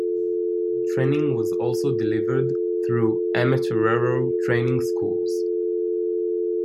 Training was also delivered through amatorero training schools.